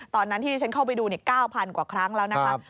ตอนนั้นที่ฉันเข้าไปดู๙๐๐กว่าครั้งแล้วนะครับ